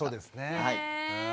はい。